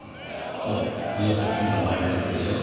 もう二度と君とも会えなかったでしょうしね。